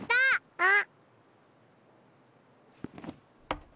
あっ！